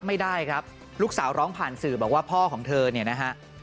ไม่ได้ครับลูกสาวร้องผ่านสื่อบอกว่าพ่อของเธอเนี่ยนะฮะ